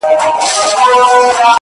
د زنده گۍ ياري كړم؛